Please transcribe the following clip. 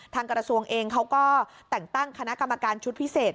กระทรวงเองเขาก็แต่งตั้งคณะกรรมการชุดพิเศษ